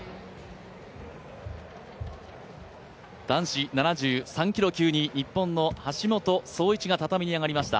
男子７３キロ級に日本の橋本壮市が畳に上がりました。